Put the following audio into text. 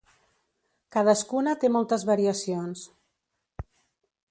Cadascuna té moltes variacions.